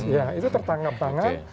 ya itu tertangkap tangan